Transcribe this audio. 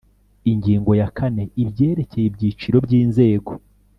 Ingingo ya kane Ibyerekeye ibyiciro by’inzego